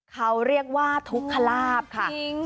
เขาเรียกว่าทุกขลาบค่ะ